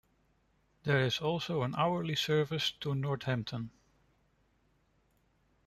There is also an hourly service to Northampton.